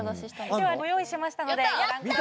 ではご用意しましたのでご覧ください。